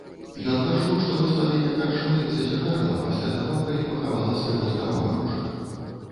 Ён пачуў, што гаспадыня карчмы зацяжарала пасля таго, калі пахавала свайго старога мужа.